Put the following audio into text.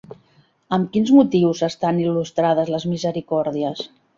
Amb quins motius estan il·lustrades les misericòrdies?